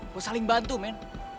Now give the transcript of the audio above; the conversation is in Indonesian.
buat saling bantu men